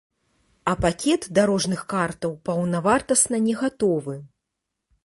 А пакет дарожных картаў паўнавартасна не гатовы.